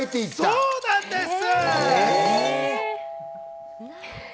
そうなんです！